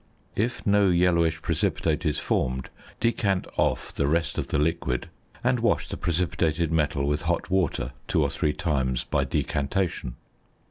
If no yellowish precipitate is formed, decant off the rest of the liquid, and wash the precipitated metal with hot water two or three times by decantation.